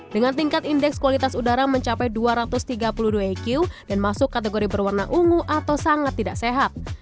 dengan tingkat indeks kualitas udara mencapai dua ratus tiga puluh dua eq dan masuk kategori berwarna ungu atau sangat tidak sehat